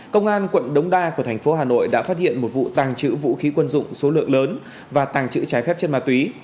công an quận đống đa của thành phố hà nội đã phát hiện một vụ tàng trữ vũ khí quân dụng số lượng lớn và tàng trữ trái phép chất ma túy